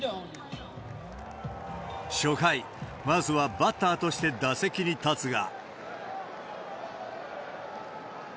初回、まずはバッターとして打席に立つが。